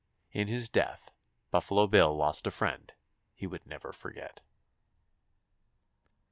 In his death Buffalo Bill lost a friend he will never forget.